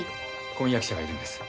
婚約者がいるんです。